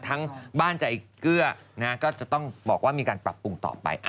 ทั้งบ้านใจเกลือก็จะต้องบอกว่ามีการปรับปรุงต่อไป